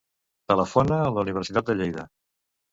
Telefona a la Universitat de Lleida.